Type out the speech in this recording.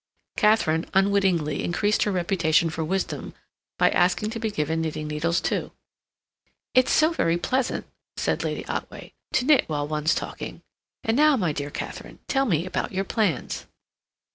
Katharine unwittingly increased her reputation for wisdom by asking to be given knitting needles too. "It's so very pleasant," said Lady Otway, "to knit while one's talking. And now, my dear Katharine, tell me about your plans."